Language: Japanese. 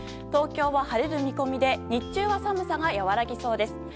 東京は晴れる見込みで日中は寒さが和らぎそうです。